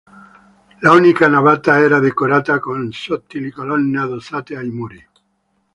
L'unica navata era decorata con sottili colonne addossate ai muri.